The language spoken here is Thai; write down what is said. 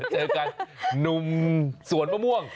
เจอกันหนุ่มสวนมะม่วง